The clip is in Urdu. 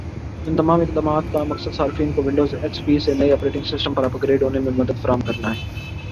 ان تمام اقدامات کا مقصد صارفین کو ونڈوز ایکس پی سے نئے آپریٹنگ سسٹم پر اپ گریڈ ہونے میں مدد فراہم کرنا ہے